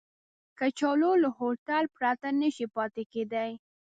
کچالو له هوټل پرته نشي پاتې کېدای